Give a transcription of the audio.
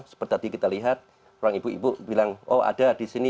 seperti tadi kita lihat orang ibu ibu bilang oh ada di sini